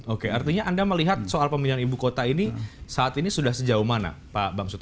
oke artinya anda melihat soal pemindahan ibu kota ini saat ini sudah sejauh mana pak bamsud